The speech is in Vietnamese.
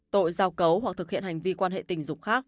tội giao cấu hoặc thực hiện hành vi quan hệ tình dục khác